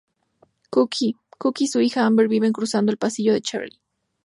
Cookie: Cookie y su hija Amber viven cruzando el pasillo de Charley.